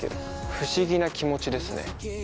不思議な気持ちですね。